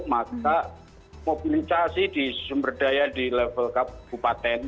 maka mobilisasi di sumber daya di level kabupaten